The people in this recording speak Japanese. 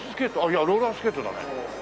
いやローラースケートだね。